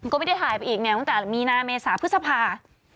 ก็ไม่ได้ถ่ายอีกตั้งแต่มีนาเมสาพฤษภา